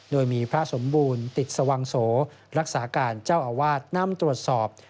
โดยมีพระสมบูรณ์ติดสวังโสรักษาการเจ้าอาวาสนำตรวจสอบ